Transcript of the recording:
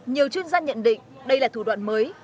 nhiều chuyên gia nhận định đây là thủ đoạn mới